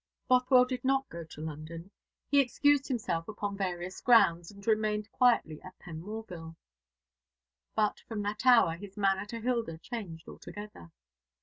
Bothwell did not go to London. He excused himself upon various grounds, and remained quietly at Penmorval. But from that hour his manner to Hilda changed altogether.